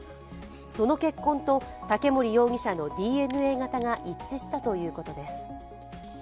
その血痕と竹森容疑者のＤＮＡ型が一致したということです。